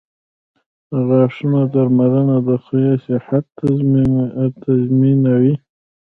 • د غاښونو درملنه د خولې صحت تضمینوي.